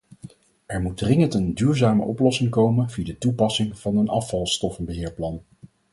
Er moet dringend een duurzame oplossing komen via de toepassing van een afvalstoffenbeheerplan.